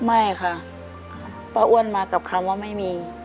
ไม่ค่ะป้าอ้วนมากับคำว่าไม่มี